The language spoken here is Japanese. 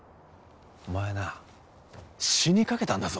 お前な死にかけたんだぞ？